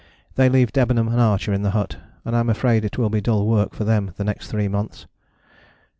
They leave Debenham and Archer at the hut, and I am afraid it will be dull work for them the next three months.